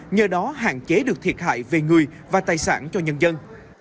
nhờ đó hạn chế được thiệt hại về người và tài sản cho nhân dân